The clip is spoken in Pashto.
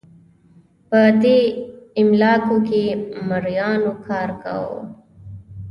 په دې املاکو کې مریانو کار کاوه.